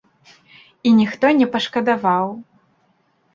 І ніхто не пашкадаваў.